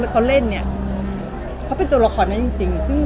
เขาเล่นเนี่ยเขาเป็นตัวละครนั้นจริง